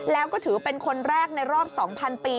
แล้วก็ถือเป็นคนแรกในรอบ๒๐๐ปี